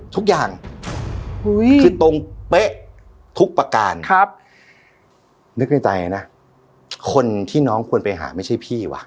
ทุกอย่างคือตรงเป๊ะทุกประการครับนึกในใจนะคนที่น้องควรไปหาไม่ใช่พี่ว่